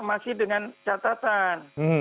masih dengan catatan